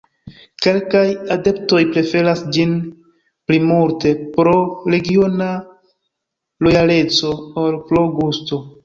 Kelkaj adeptoj preferas ĝin pli multe pro regiona lojaleco ol pro gusto.